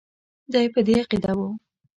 دی په دې عقیده وو.